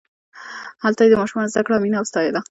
هلته یې د ماشومانو زدکړه او مینه وستایله.